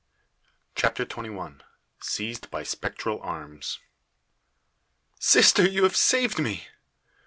CHAPTER TWENTY ONE. SEIZED BY SPECTRAL ARMS. "Sister, you have saved me!"